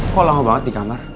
kok lama banget di kamar